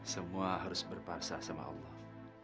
semua harus berpasa sama allah